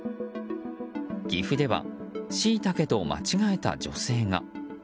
岐阜ではシイタケと間違えた女性が。